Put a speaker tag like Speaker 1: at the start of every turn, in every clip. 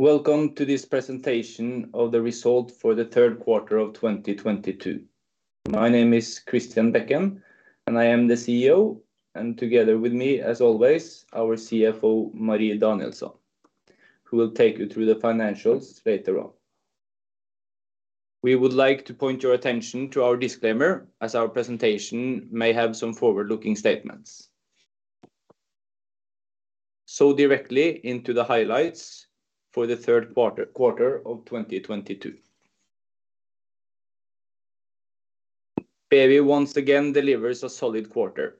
Speaker 1: Welcome to this presentation of the results for the third quarter of 2022. My name is Christian Bekken, and I am the CEO. Together with me, as always, our CFO, Marie Danielsson, who will take you through the financials later on. We would like to point your attention to our disclaimer, as our presentation may have some forward-looking statements. Directly into the highlights for the third quarter of 2022. BEWI once again delivers a solid quarter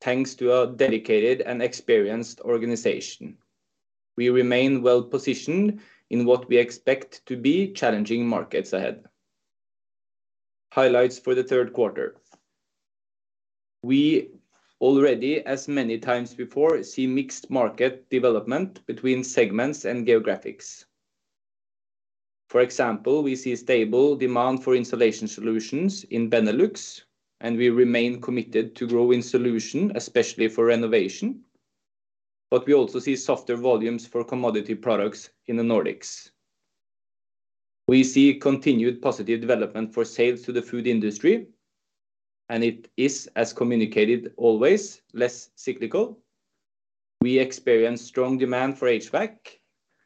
Speaker 1: thanks to a dedicated and experienced organization. We remain well-positioned in what we expect to be challenging markets ahead. Highlights for the third quarter. We already, as many times before, see mixed market development between segments and geographies. For example, we see stable demand for insulation solutions in Benelux and we remain committed to growth in solutions, especially for renovation. We also see softer volumes for commodity products in the Nordics. We see continued positive development for sales to the food industry, and it is as communicated always less cyclical. We experience strong demand for HVAC.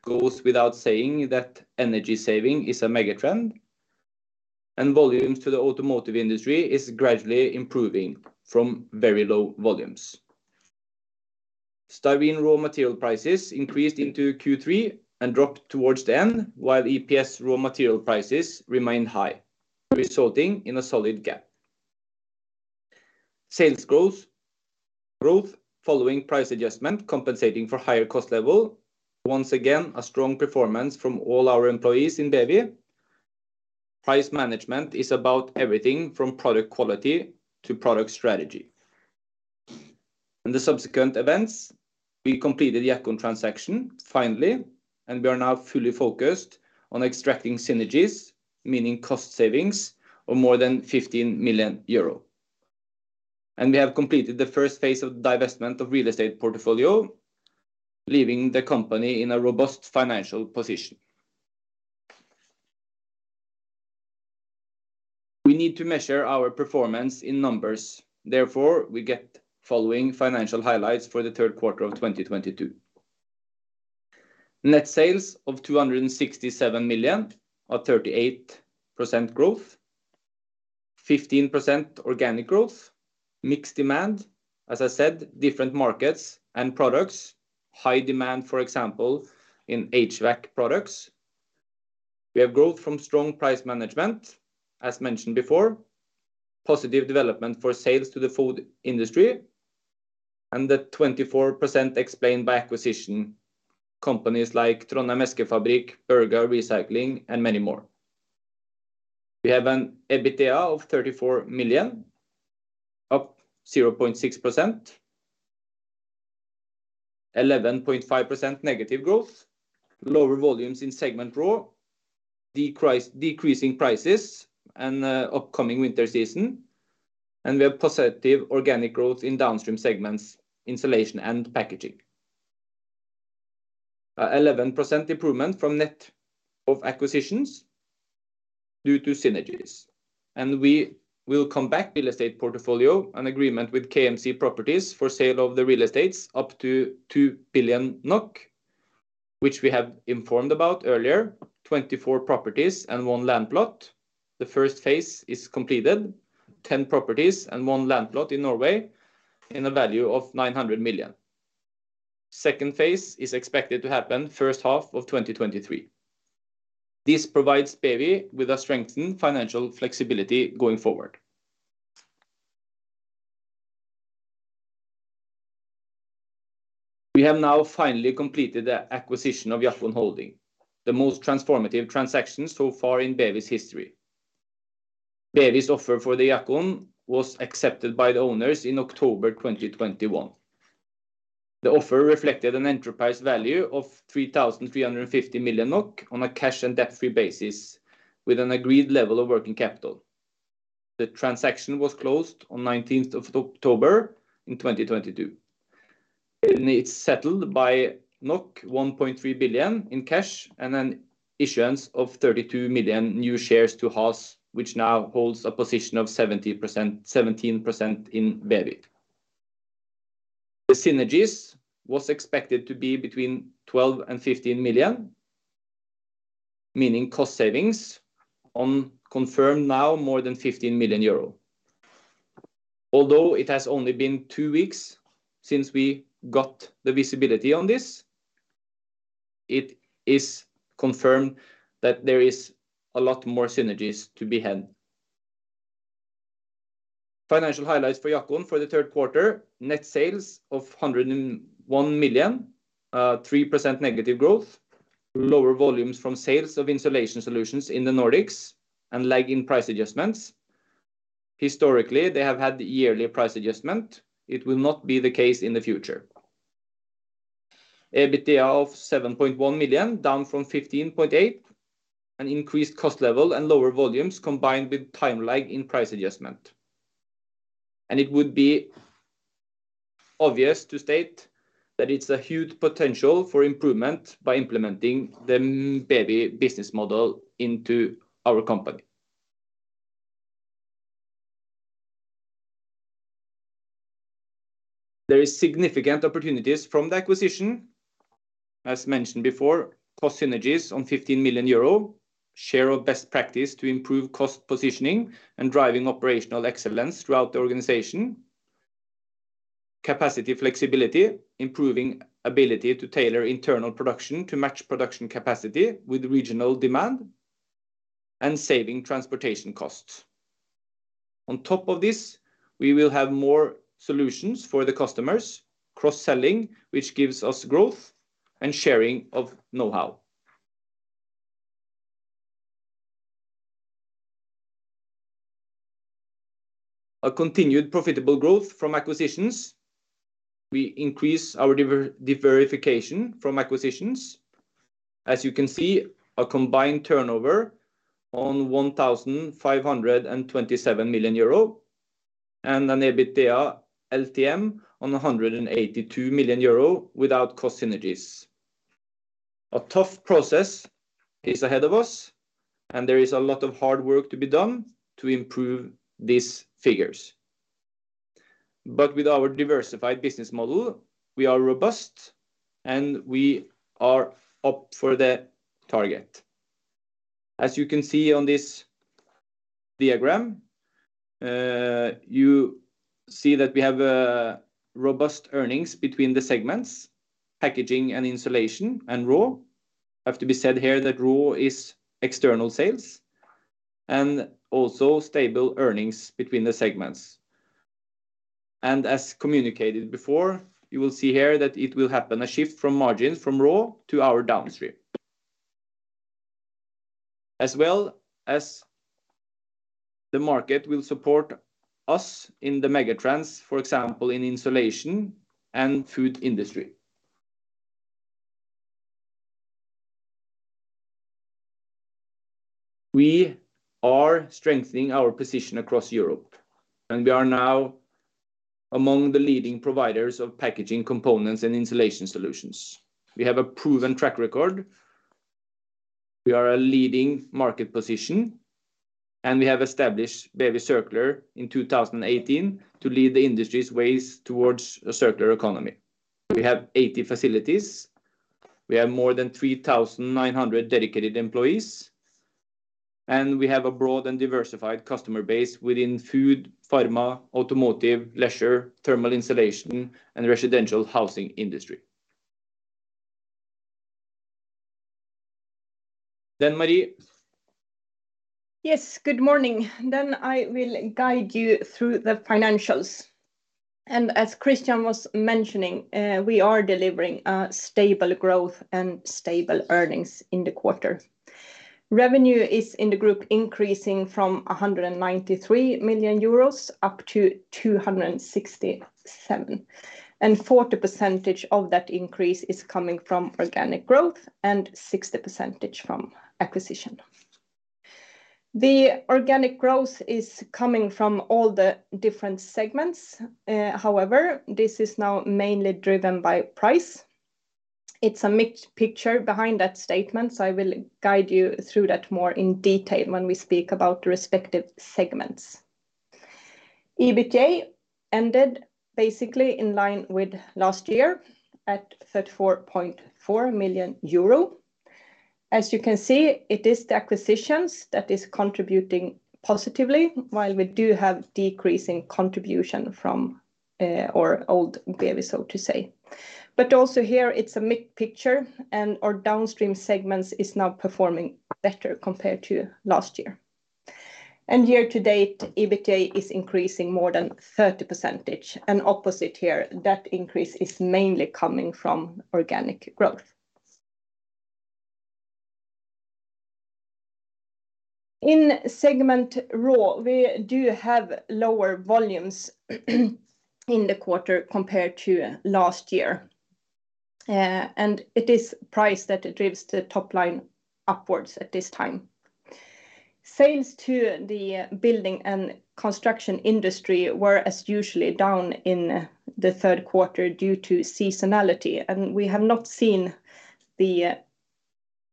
Speaker 1: Goes without saying that energy saving is a mega-trend, and volumes to the automotive industry is gradually improving from very low volumes. Styrene raw material prices increased into Q3 and dropped towards the end, while EPS raw material prices remain high, resulting in a solid gap. Sales growth following price adjustment compensating for higher cost level. Once again, a strong performance from all our employees in BEWI. Price management is about everything from product quality to product strategy. In the subsequent events, we completed the Jackon transaction finally, and we are now fully focused on extracting synergies, meaning cost savings of more than 15 million euro. We have completed the first phase of the divestment of real estate portfolio, leaving the company in a robust financial position. We need to measure our performance in numbers. Therefore, we get following financial highlights for the third quarter of 2022. Net sales of 267 million, a 38% growth. 15% organic growth. Mixed demand, as I said, different markets and products. High demand, for example, in HVAC products. We have growth from strong price management, as mentioned before. Positive development for sales to the food industry. The 24% explained by acquisition. Companies like Trondhjems Eskefabrikk, Berga Recycling, and many more. We have an EBITDA of 34 million, up 0.6%. 11.5% negative growth. Lower volumes in RAW segment. Decreasing prices in upcoming winter season. We have positive organic growth in downstream segments, Insulation and Packaging. 11% improvement from net of acquisitions due to synergies. We will come back to the real estate portfolio, an agreement with KMC Properties for sale of the real estate up to 2 billion NOK, which we have informed about earlier. 24 properties and one land plot. The first phase is completed. 10 properties and one land plot in Norway in a value of 900 million. Second phase is expected to happen first half of 2023. This provides BEWI with a strengthened financial flexibility going forward. We have now finally completed the acquisition of Jackon Holding, the most transformative transaction so far in BEWI's history. BEWI's offer for Jackon was accepted by the owners in October 2021. The offer reflected an enterprise value of 3,350 million NOK on a cash-and-debt-free basis with an agreed level of working capital. The transaction was closed on 19th of October in 2022, it's settled by 1.3 billion in cash and an issuance of 32 million new shares to HAAS, which now holds a position of 17% in BEWI. The synergies was expected to be between 12 million-15 million, meaning cost savings of confirmed now more than 15 million euro. Although it has only been two weeks since we got the visibility on this, it is confirmed that there is a lot more synergies to be had. Financial highlights for Jackon for the third quarter. Net sales of 101 million, 3% negative growth. Lower volumes from sales of insulation solutions in the Nordics and lag in price adjustments. Historically, they have had yearly price adjustment. It will not be the case in the future. EBITDA of 7.1 million, down from 15.8. An increased cost level and lower volumes combined with time lag in price adjustment. It would be obvious to state that it's a huge potential for improvement by implementing the BEWI business model into our company. There is significant opportunities from the acquisition. As mentioned before, cost synergies on 15 million euro, share of best practice to improve cost positioning and driving operational excellence throughout the organization. Capacity flexibility, improving ability to tailor internal production to match production capacity with regional demand, and saving transportation costs. On top of this, we will have more solutions for the customers, cross-selling which gives us growth and sharing of know-how. A continued profitable growth from acquisitions. We increase our diversification from acquisitions. As you can see, a combined turnover of 1,527 million euro and an EBITDA LTM of 182 million euro without cost synergies. A tough process is ahead of us, and there is a lot of hard work to be done to improve these figures. With our diversified business model, we are robust, and we are up for the target. As you can see on this diagram, you see that we have robust earnings between the segments, packaging and insulation and raw. Have to be said here that raw is external sales and also stable earnings between the segments. As communicated before, you will see here that it will happen, a shift from margins from raw to our downstream. As the market will support us in the megatrends, for example, in insulation and food industry. We are strengthening our position across Europe, and we are now among the leading providers of packaging components and insulation solutions. We have a proven track record. We have a leading market position, and we have established BEWI Circular in 2018 to lead the industry towards a circular economy. We have 80 facilities. We have more than 3,900 dedicated employees, and we have a broad and diversified customer base within food, pharma, automotive, leisure, thermal insulation and residential housing industry. Marie.
Speaker 2: Yes. Good morning. I will guide you through the financials. As Christian was mentioning, we are delivering a stable growth and stable earnings in the quarter. Revenue is in the group increasing from 193 million euros up to 267 million, and 40% of that increase is coming from organic growth and 60% from acquisition. The organic growth is coming from all the different segments. However, this is now mainly driven by price. It's a mixed picture behind that statement, so I will guide you through that more in detail when we speak about the respective segments. EBITA ended basically in line with last year at 34.4 million euro. As you can see, it is the acquisitions that is contributing positively while we do have decreasing contribution from our old BEWI, so to say. Also here, it's a mixed picture, and our downstream segments is now performing better compared to last year. Year to date, EBITA is increasing more than 30%. Opposite here, that increase is mainly coming from organic growth. In segment RAW, we do have lower volumes in the quarter compared to last year. It is price that drives the top line upwards at this time. Sales to the building and construction industry were, as usual, down in the third quarter due to seasonality, and we have not seen the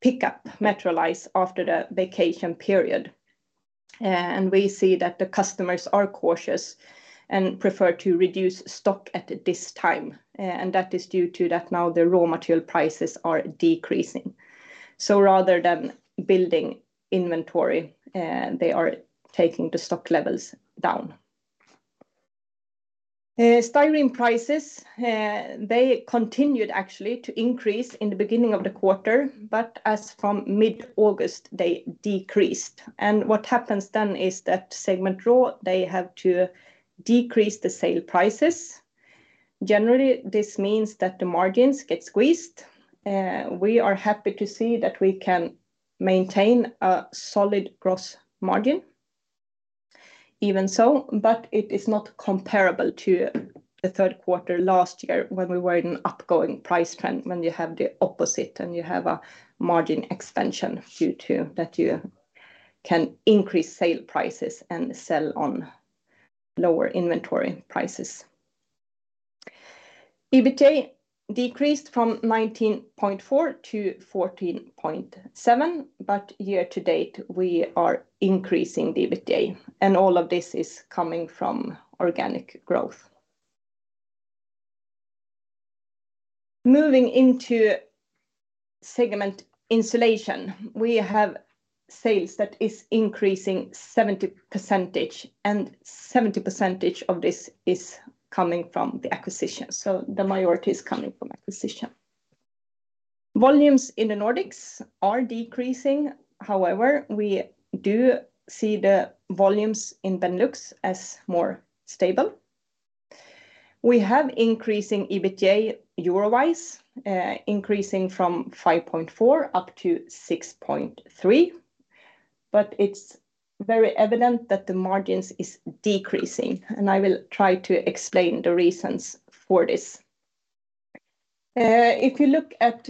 Speaker 2: pickup materialize after the vacation period. We see that the customers are cautious and prefer to reduce stock at this time, and that is due to the fact that now the raw material prices are decreasing. Rather than building inventory, they are taking the stock levels down. Styrene prices, they continued actually to increase in the beginning of the quarter, but as from mid-August, they decreased. What happens then is that segment RAW, they have to decrease the sale prices. Generally, this means that the margins get squeezed. We are happy to see that we can maintain a solid gross margin even so, but it is not comparable to the third quarter last year when we were in an upgoing price trend when you have the opposite and you have a margin expansion due to that you can increase sale prices and sell on lower inventory prices. EBITDA decreased from 19.4-14.7, but year to date we are increasing the EBITDA, and all of this is coming from organic growth. Moving into segment Insulation, we have sales that is increasing 70%, and 70% of this is coming from the acquisition, so the majority is coming from acquisition. Volumes in the Nordics are decreasing. However, we do see the volumes in Benelux as more stable. We have increasing EBITDA euro-wise, increasing from 5.4-6.3, but it's very evident that the margins is decreasing, and I will try to explain the reasons for this. If you look at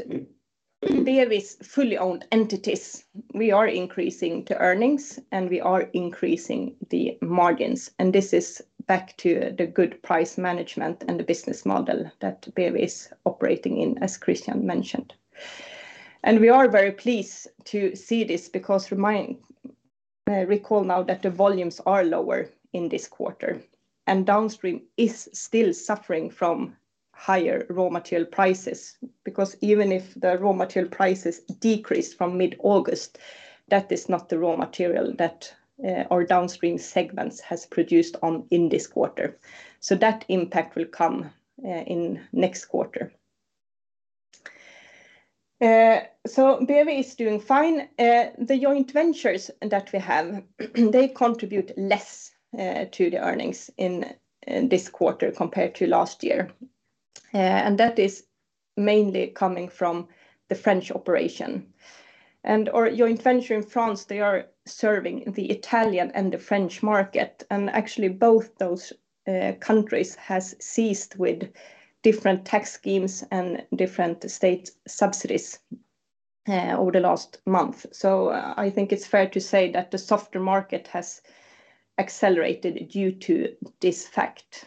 Speaker 2: BEWI's fully owned entities, we are increasing the earnings, and we are increasing the margins, and this is back to the good price management and the business model that BEWI is operating in, as Christian mentioned. We are very pleased to see this because recall now that the volumes are lower in this quarter, and downstream is still suffering from higher raw material prices. Because even if the raw material prices decrease from mid-August, that is not the raw material that our downstream segments has produced on in this quarter, so that impact will come in next quarter. BEWI is doing fine. The joint ventures that we have, they contribute less to the earnings in this quarter compared to last year, and that is mainly coming from the French operation. Our joint venture in France, they are serving the Italian and the French market, and actually both those countries has ceased with different tax schemes and different state subsidies over the last month. I think it's fair to say that the softer market has accelerated due to this fact.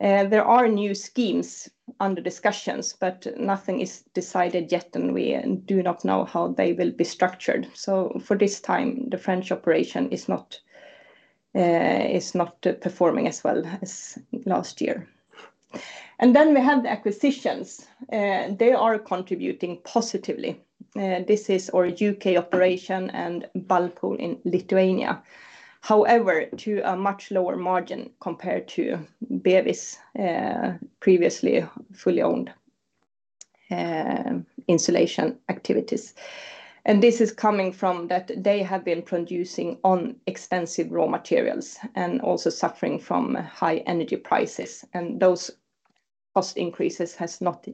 Speaker 2: There are new schemes under discussions, but nothing is decided yet, and we do not know how they will be structured. For this time, the French operation is not performing as well as last year. Then we have the acquisitions. They are contributing positively. This is our U.K. operation and Baltijos Polistirenas in Lithuania. However, to a much lower margin compared to BEWI's previously fully owned insulation activities. This is coming from that they have been producing on expensive raw materials and also suffering from high energy prices, and those cost increases has not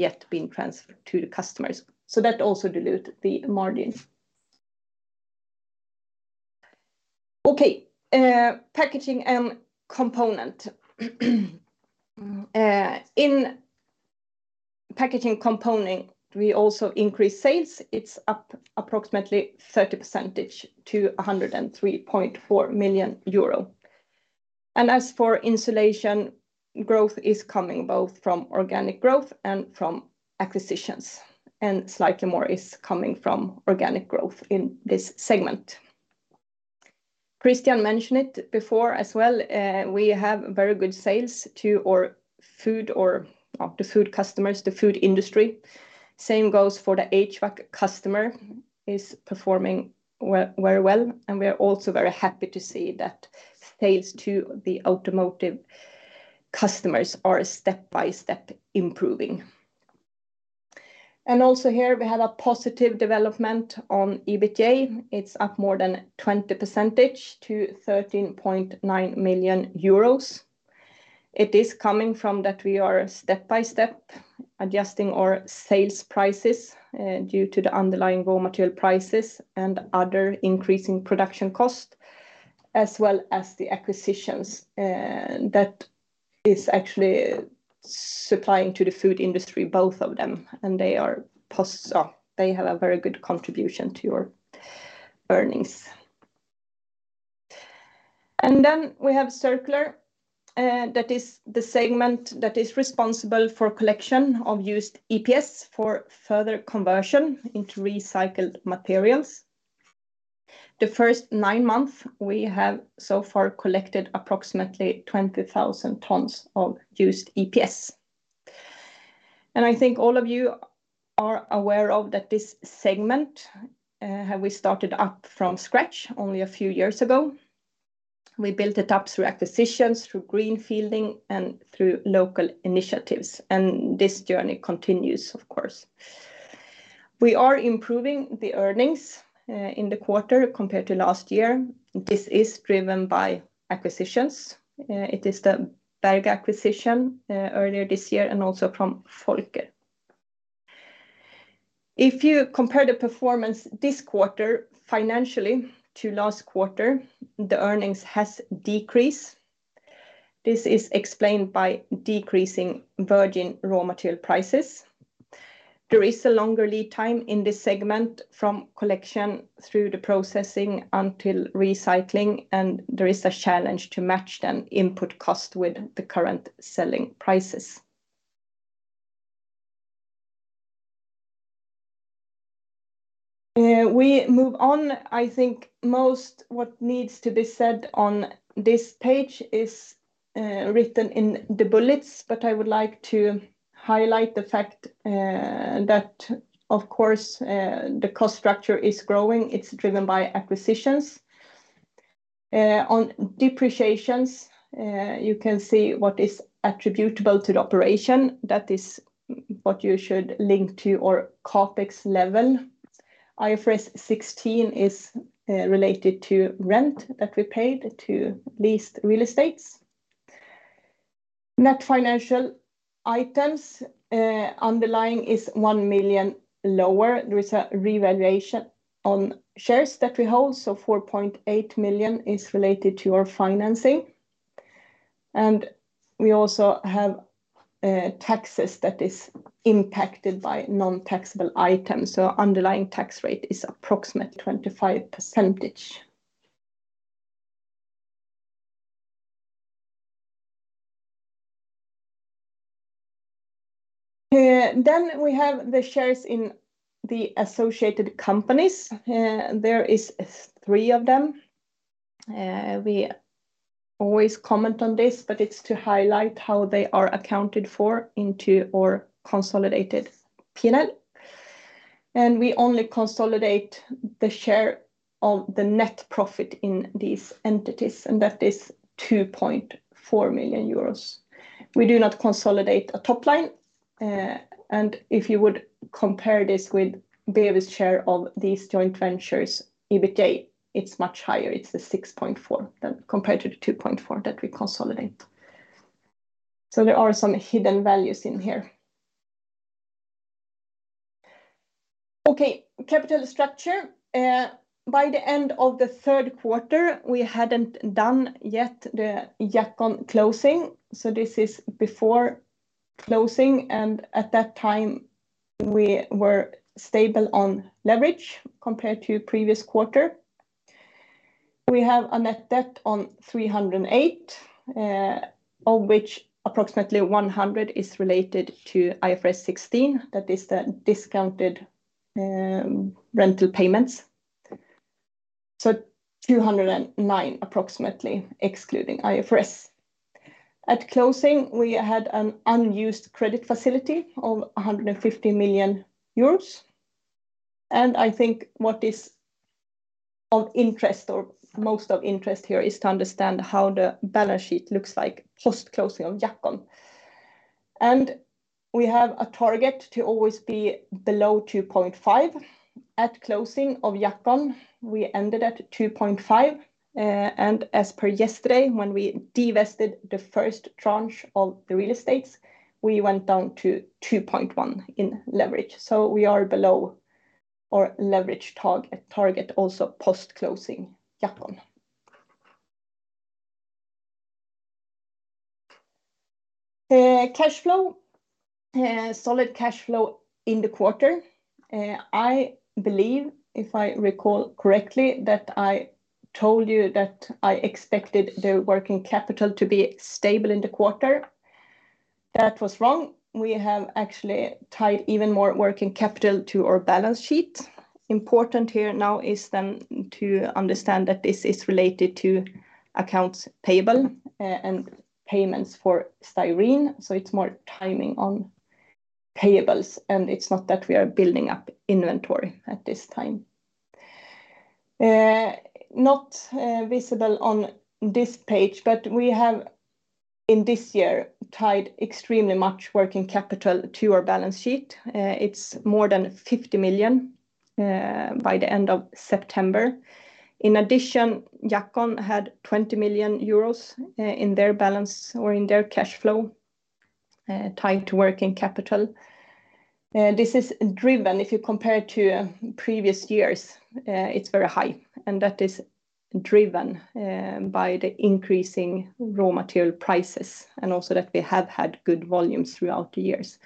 Speaker 2: yet been transferred to the customers. That also dilute the margin. Packaging & Components. In Packaging & Components, we also increase sales. It's up approximately 30% to 103.4 million euro. As for Insulation, growth is coming both from organic growth and from acquisitions, and slightly more is coming from organic growth in this segment. Christian mentioned it before as well, we have very good sales to our food customers, the food industry. Same goes for the HVAC customer is performing very, very well, and we are also very happy to see that sales to the automotive customers are step-by-step improving. Also here we have a positive development on EBITDA. It's up more than 20% to 13.9 million euros. It is coming from that we are step-by-step adjusting our sales prices, due to the underlying raw material prices and other increasing production costs, as well as the acquisitions that is actually supplying to the food industry, both of them, and they have a very good contribution to our earnings. We have Circular, that is the segment that is responsible for collection of used EPS for further conversion into recycled materials. The first nine months, we have so far collected approximately 20,000 tons of used EPS. I think all of you are aware of that this segment, we started up from scratch only a few years ago. We built it up through acquisitions, through greenfielding, and through local initiatives, and this journey continues, of course. We are improving the earnings in the quarter compared to last year. This is driven by acquisitions. It is the Berga acquisition earlier this year and also from Volker. If you compare the performance this quarter financially to last quarter, the earnings has decreased. This is explained by decreasing virgin raw material prices. There is a longer lead time in this segment from collection through the processing until recycling, and there is a challenge to match the input cost with the current selling prices. We move on. I think most what needs to be said on this page is written in the bullets, but I would like to highlight the fact that of course the cost structure is growing. It's driven by acquisitions. On depreciations, you can see what is attributable to the operation. That is what you should link to or CapEx level. IFRS 16 is related to rent that we paid to leased real estates. Net financial items, underlying is 1 million lower. There is a revaluation on shares that we hold, so 4.8 million is related to our financing. We also have taxes that is impacted by non-taxable items, so underlying tax rate is approximately 25%. We have the shares in the associated companies. There is three of them. We always comment on this, but it's to highlight how they are accounted for into our consolidated P&L. We only consolidate the share of the net profit in these entities, and that is 2.4 million euros. We do not consolidate a top line. If you would compare this with BEWI's share of these joint ventures, EBITA, it's much higher. It's the 6.4 then compared to the 2.4 that we consolidate. There are some hidden values in here. Okay, capital structure. By the end of the third quarter, we hadn't done yet the Jackon closing, so this is before closing. At that time, we were stable on leverage compared to previous quarter. We have a net debt of 308, of which approximately 100 is related to IFRS 16. That is the discounted rental payments. Two hundred and nine, approximately, excluding IFRS. At closing, we had an unused credit facility of 150 million euros. I think what is of interest or most of interest here is to understand how the balance sheet looks like post-closing of Jackon. We have a target to always be below 2.5. At closing of Jackon, we ended at 2.5. As per yesterday, when we divested the first tranche of the real estates, we went down to 2.1 in leverage. We are below our leverage target also post-closing Jackon. Cash flow. Solid cash flow in the quarter. I believe, if I recall correctly, that I told you that I expected the working capital to be stable in the quarter. That was wrong. We have actually tied even more working capital to our balance sheet. Important here now is then to understand that this is related to accounts payable, and payments for styrene, so it's more timing on payables, and it's not that we are building up inventory at this time. Not visible on this page, but we have, in this year, tied extremely much working capital to our balance sheet. It's more than 50 million, by the end of September. In addition, Jackon had 20 million euros, in their balance or in their cash flow, tied to working capital. This is driven, if you compare to previous years, it's very high, and that is driven by the increasing raw material prices and also that we have had good volumes throughout the years.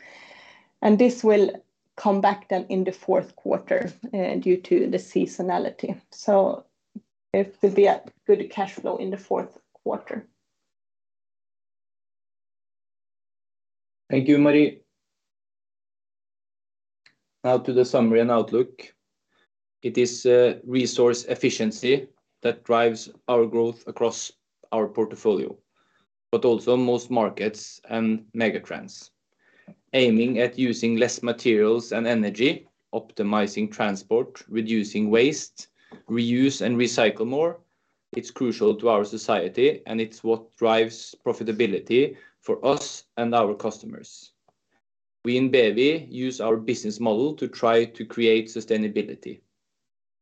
Speaker 2: This will come back then in the fourth quarter, due to the seasonality. It will be a good cash flow in the fourth quarter.
Speaker 1: Thank you, Marie. Now to the summary and outlook. It is resource efficiency that drives our growth across our portfolio, but also most markets and mega trends. Aiming at using less materials and energy, optimizing transport, reducing waste, reuse and recycle more, it's crucial to our society, and it's what drives profitability for us and our customers. We in BEWI use our business model to try to create sustainability.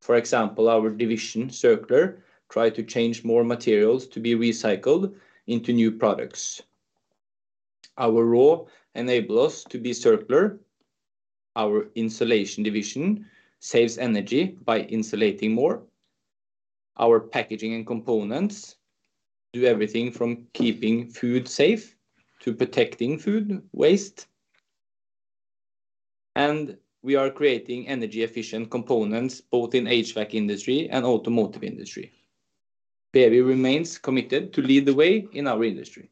Speaker 1: For example, our division, Circular, try to change more materials to be recycled into new products. Our RAW enable us to be circular. Our Insulation division saves energy by insulating more. Our packaging and components do everything from keeping food safe to protecting food waste. We are creating energy efficient components both in HVAC industry and automotive industry. BEWI remains committed to lead the way in our industry.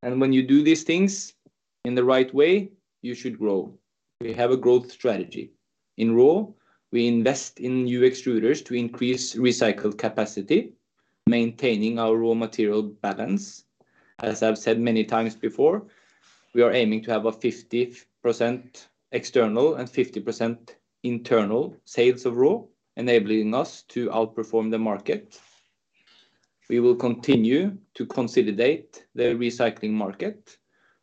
Speaker 1: When you do these things in the right way, you should grow. We have a growth strategy. In RAW, we invest in new extruders to increase recycled capacity, maintaining our raw material balance. As I've said many times before, we are aiming to have a 50% external and 50% internal sales of RAW, enabling us to outperform the market. We will continue to consolidate the recycling market,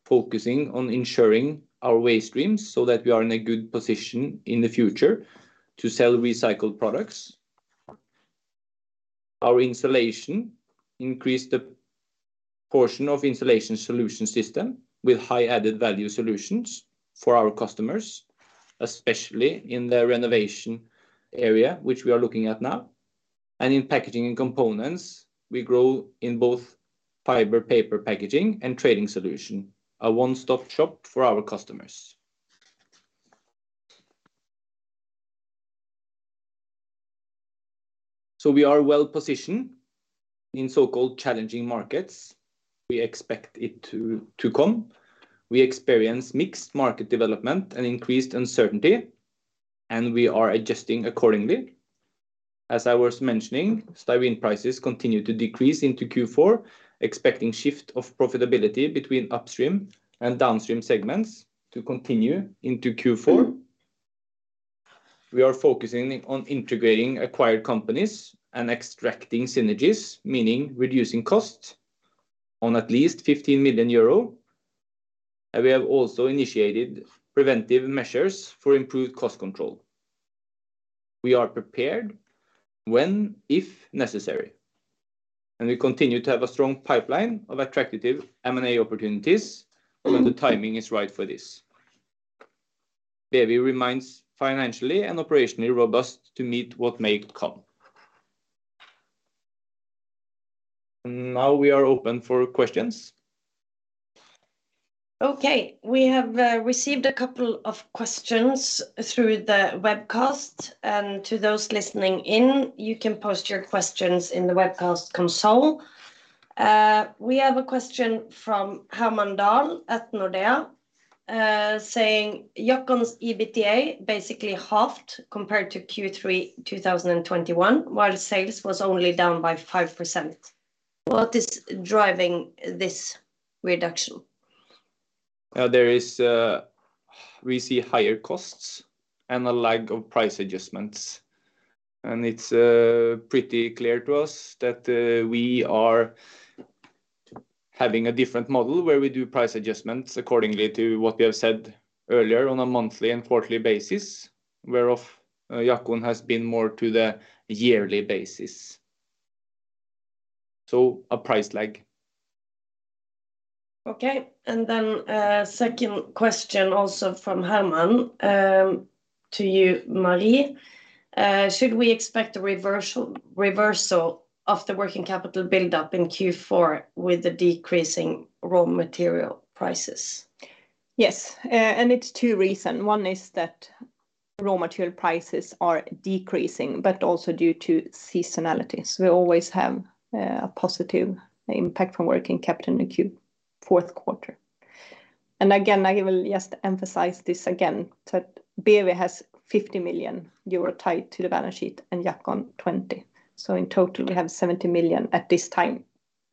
Speaker 1: focusing on ensuring our waste streams so that we are in a good position in the future to sell recycled products. Our Insulation increase the portion of insulation solution system with high added value solutions for our customers, especially in the renovation area, which we are looking at now. In Packaging & Components, we grow in both fibre paper packaging and trading solutions, a one-stop shop for our customers. We are well-positioned in so-called challenging markets. We expect it to come. We experience mixed market development and increased uncertainty, and we are adjusting accordingly. As I was mentioning, styrene prices continue to decrease into Q4, expecting shift of profitability between upstream and downstream segments to continue into Q4. We are focusing on integrating acquired companies and extracting synergies, meaning reducing costs of at least 15 million euro. We have also initiated preventive measures for improved cost control. We are prepared, if necessary, and we continue to have a strong pipeline of attractive M&A opportunities when the timing is right for this. BEWI remains financially and operationally robust to meet what may come. Now we are open for questions.
Speaker 3: Okay. We have received a couple of questions through the webcast. To those listening in, you can post your questions in the webcast console. We have a question from Herman Dahl at Nordea, saying, "Jackon's EBITA basically halved compared to Q3 2021, while sales was only down by 5%. What is driving this reduction?
Speaker 1: There is, we see higher costs and a lag of price adjustments, and it's pretty clear to us that we are having a different model, where we do price adjustments accordingly to what we have said earlier on a monthly and quarterly basis, whereof Jackon has been more to the yearly basis. A price lag.
Speaker 3: Second question also from Herman to you, Marie. Should we expect a reversal of the working capital buildup in Q4 with the decreasing raw material prices?
Speaker 2: Yes. It's two reasons. One is that raw material prices are decreasing, but also due to seasonality. We always have a positive impact from working capital in the Q4 quarter. Again, I will just emphasize this again that BEWI has 50 million euro tied to the balance sheet and Jackon 20. In total, we have 70 million at this time.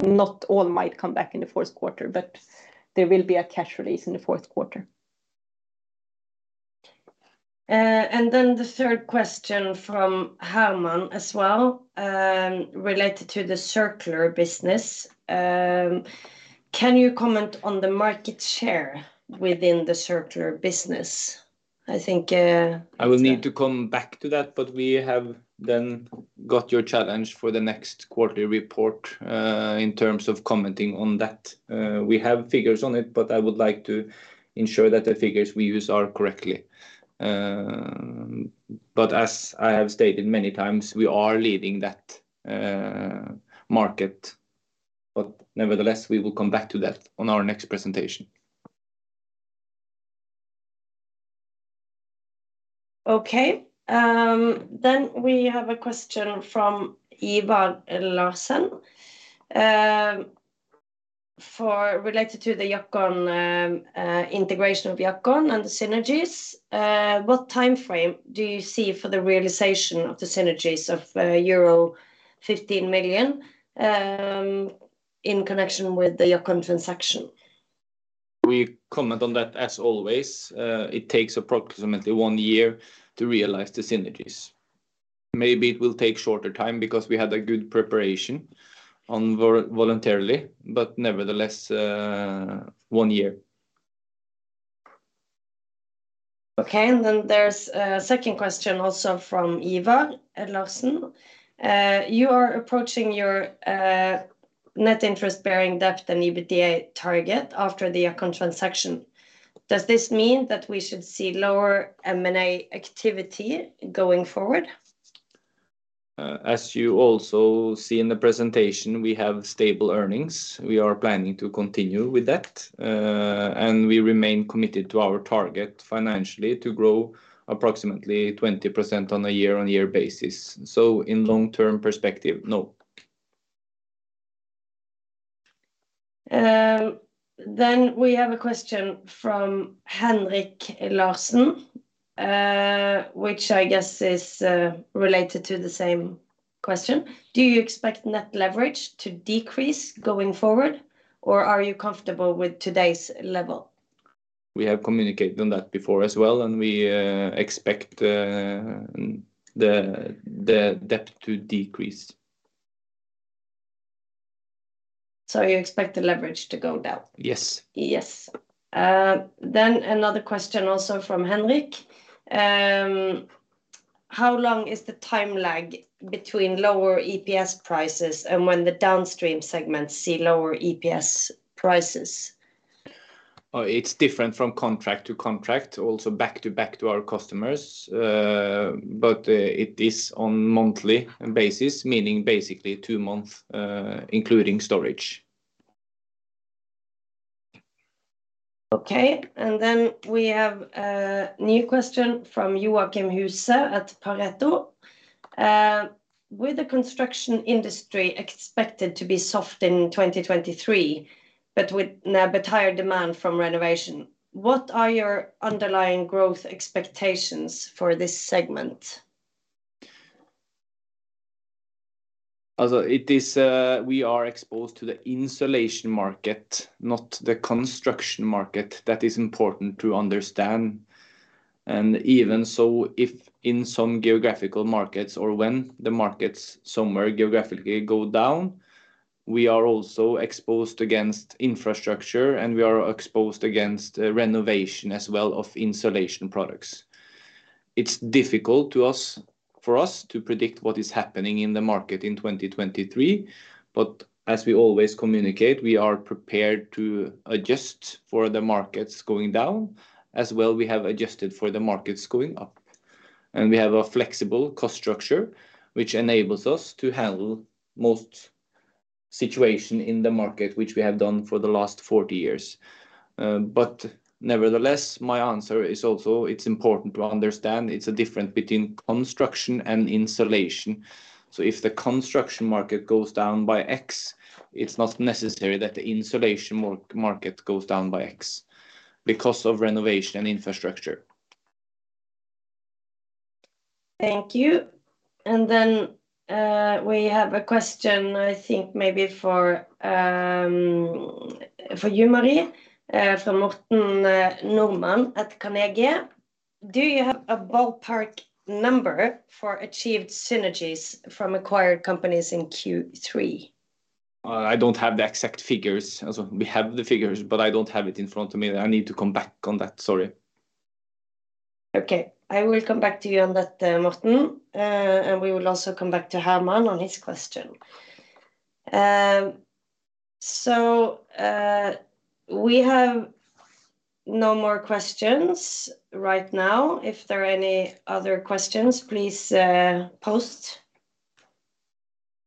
Speaker 2: Not all might come back in the fourth quarter, but there will be a cash release in the fourth quarter.
Speaker 3: The third question from Herman as well, related to the Circular business. Can you comment on the market share within the Circular business?
Speaker 1: I will need to come back to that, but we have then got your challenge for the next quarterly report, in terms of commenting on that. We have figures on it, but I would like to ensure that the figures we use are correct. As I have stated many times, we are leading that market. Nevertheless, we will come back to that on our next presentation.
Speaker 3: Okay. We have a question from Eva Larsson related to the Jackon integration of Jackon and the synergies. What timeframe do you see for the realization of the synergies of euro 15 million in connection with the Jackon transaction?
Speaker 1: We comment on that as always. It takes approximately one year to realize the synergies. Maybe it will take shorter time because we had a good preparation on voluntarily, but nevertheless, one year.
Speaker 3: Okay. There's a second question also from Eva Larsson. You are approaching your net interest-bearing debt and EBITDA target after the Jackon transaction. Does this mean that we should see lower M&A activity going forward?
Speaker 1: As you also see in the presentation, we have stable earnings. We are planning to continue with that. And we remain committed to our target financially to grow approximately 20% on a year-on-year basis. In long-term perspective, no.
Speaker 3: We have a question from Henrik Larsson, which I guess is related to the same question. Do you expect net leverage to decrease going forward, or are you comfortable with today's level?
Speaker 1: We have communicated on that before as well, and we expect the debt to decrease.
Speaker 3: You expect the leverage to go down?
Speaker 1: Yes.
Speaker 3: Yes. Another question also from Henrik Larsson. How long is the time lag between lower EPS prices and when the downstream segments see lower EPS prices?
Speaker 1: It's different from contract to contract, also back to our customers. It is on monthly basis, meaning basically two months, including storage.
Speaker 3: We have a new question from Joachim Huse at Pareto. With the construction industry expected to be soft in 2023 but with higher demand from renovation, what are your underlying growth expectations for this segment?
Speaker 1: It is we are exposed to the insulation market, not the construction market. That is important to understand. Even so, if in some geographical markets or when the markets somewhere geographically go down, we are also exposed to infrastructure, and we are exposed to renovation as well of insulation products. It's difficult for us to predict what is happening in the market in 2023. As we always communicate, we are prepared to adjust for the markets going down as well we have adjusted for the markets going up. We have a flexible cost structure, which enables us to handle most situations in the market, which we have done for the last 40 years. Nevertheless, my answer is also it's important to understand it's a difference between construction and insulation. If the construction market goes down by X, it's not necessary that the insulation market goes down by X because of renovation and infrastructure.
Speaker 3: Thank you. We have a question, I think maybe for you, Marie, from Morten Normann at Carnegie. Do you have a ballpark number for achieved synergies from acquired companies in Q3?
Speaker 1: I don't have the exact figures. Also we have the figures, but I don't have it in front of me. I need to come back on that, sorry.
Speaker 3: Okay. I will come back to you on that, Morten. We will also come back to Herman on his question. We have no more questions right now. If there are any other questions, please post.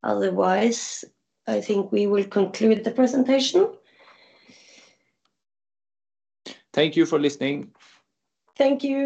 Speaker 3: Otherwise, I think we will conclude the presentation.
Speaker 1: Thank you for listening.
Speaker 3: Thank you.